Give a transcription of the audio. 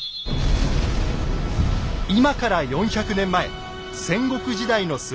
今から４００年前戦国時代の末。